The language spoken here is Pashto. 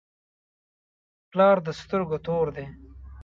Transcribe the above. پلار د سترګو تور دی.